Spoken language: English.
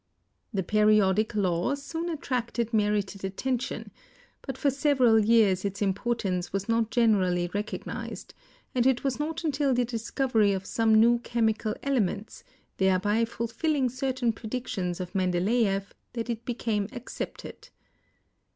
M THE ATOMIC WEIGHTS 297 The Periodic Law soon attracted merited attention, but for several years its importance was not generally recog nized, and it was not until the discovery of some new chemical elements, thereby fulfilling certain predictions of MendeleefT, that it became accepted.